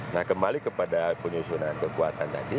nah kembali kepada penyusunan kekuatan tadi